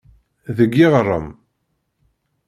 Deg yiɣrem.